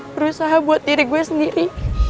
berusaha buat diri gue sendiri